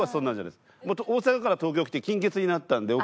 大阪から東京来て金欠になったんで。